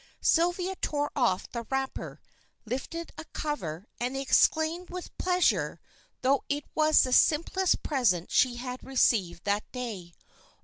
Sylvia tore off the wrapper, lifted a cover, and exclaimed with pleasure, though it was the simplest present she had received that day.